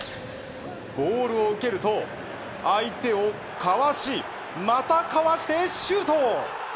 ボールを受けると相手をかわしまたかわしてシュート。